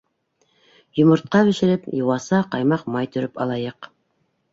Йомортҡа бешереп, йыуаса, ҡаймаҡ-май төрөп алайыҡ.